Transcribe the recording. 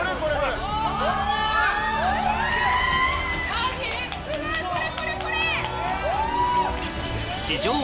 マジ⁉すごいこれこれこれ！